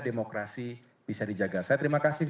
demokrasi bisa dijaga saya terima kasih